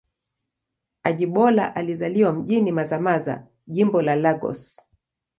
Ajibola alizaliwa mjini Mazamaza, Jimbo la Lagos.